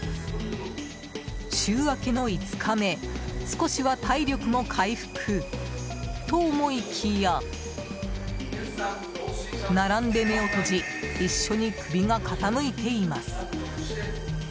週明けの５日目少しは体力も回復と思いきや並んで目を閉じ一緒に首が傾いています。